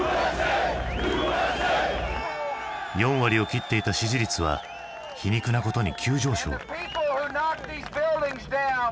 ４割を切っていた支持率は皮肉なことに急上昇。